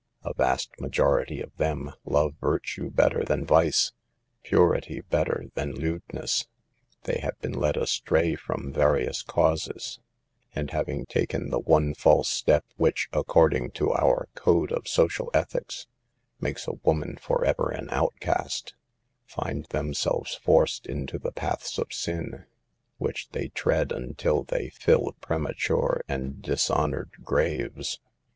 A vast majority of them love virtue better than vice, purity better than lewdness. They have been led astray from various causes, and having taken the one false step which, according to our code of social ethics, makes a woman forever an outcast, find themselves forced into the paths of sin, which they tread until they fill prematura, and dis honored graves.